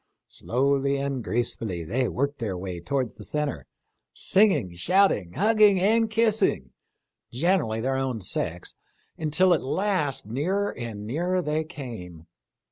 Slowly and gracefully they worked their way towards the centre, singing, shouting, hugging and kissing, generally their own sex, until at last nearer and nearer they came.